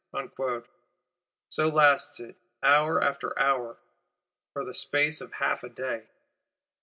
So lasts it, hour after hour; for the space of half a day.